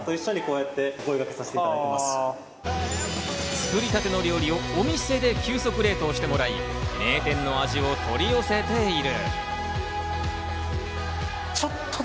作りたての料理をお店で急速冷凍してもらい、名店の味を取り寄せている。